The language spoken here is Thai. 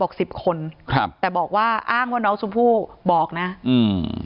สิบคนครับแต่บอกว่าอ้างว่าน้องชมพู่บอกนะอืม